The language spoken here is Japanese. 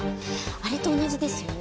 あれと同じですよね。